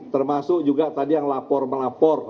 termasuk juga tadi yang lapor melapor